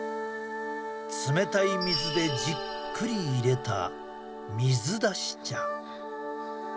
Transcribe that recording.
冷たい水でじっくりいれた水出し茶。